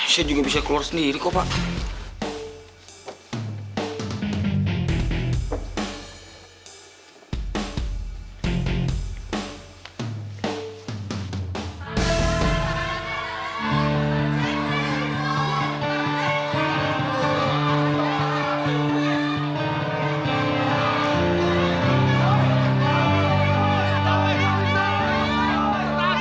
saya juga bisa keluar sendiri kok pak